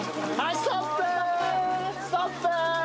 ストップー。